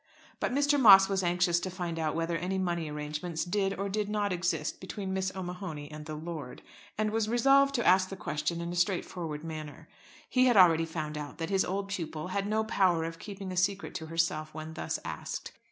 But Mr. Moss was anxious to find out whether any money arrangements did or did not exist between Miss O'Mahony and the lord, and was resolved to ask the question in a straightforward manner. He had already found out that his old pupil had no power of keeping a secret to herself when thus asked.